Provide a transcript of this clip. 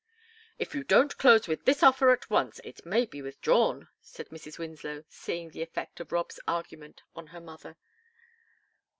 "If you don't close with this offer at once it may be withdrawn," said Mrs. Winslow, seeing the effect of Rob's argument on her mother.